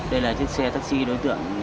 đây là chiếc taxi đối tượng